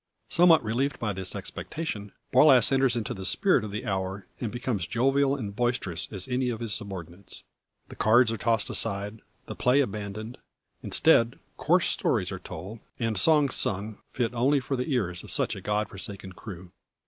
Somewhat relieved by this expectation, Borlasse enters into the spirit of the hour, and becomes jovial and boisterous as any of his subordinates. The cards are tossed aside, the play abandoned; instead, coarse stories are told, and songs sung, fit only for the ears of such a God forsaken crew.